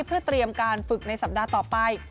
เพื่อเตรียมการฝึกในสัปดาห์ต่อไป